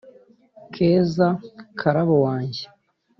keza, karabo wanjye